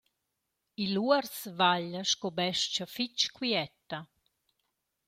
Il uors vaglia sco bes-cha fich quieta.